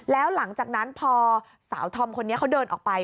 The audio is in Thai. แล้วหลังจากนั้นพอสาวธอมคนนี้เขาเดินออกไป